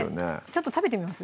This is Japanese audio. ちょっと食べてみます？